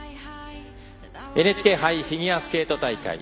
ＮＨＫ杯フィギュアスケート大会。